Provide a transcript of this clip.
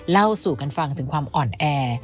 เล่าสู่กันฟังถึงความอ่อนแอ